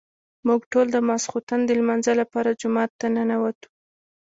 موږ ټول د ماسخوتن د لمانځه لپاره جومات ته ننوتو.